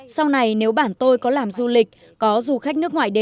sau này nếu bản tôi có làm du lịch có du khách nước ngoài đến